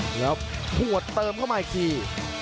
ทหัวเติมเข้ามาอีกที